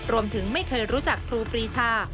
รวมถึงไม่เคยรู้จักครูปรีชา